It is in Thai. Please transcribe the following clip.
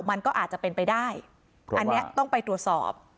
มันก็อาจจะเป็นไปได้อันนี้ต้องไปตรวจสอบ